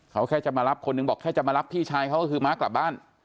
เขาแค่จะมารับคนหนึ่งบอกแค่จะมารับพี่ชายเขาก็คือม้ากลับบ้าน